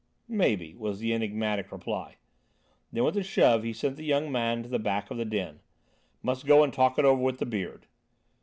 "Maybe," was the enigmatic reply. Then with a shove he sent the young man to the back of the den. "Must go and talk it over with the Beard."